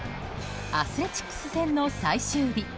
アスレチックス戦の最終日。